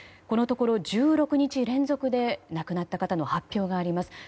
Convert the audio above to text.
このところ１６日連続で亡くなった方の発表があります。